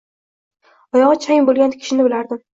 Oyogʻi chang boʻlgan kishini bilardim.